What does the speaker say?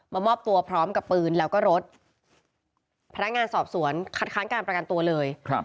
มอบตัวพร้อมกับปืนแล้วก็รถพนักงานสอบสวนคัดค้านการประกันตัวเลย